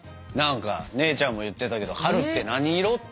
何か姉ちゃんも言ってたけど「春って何色？」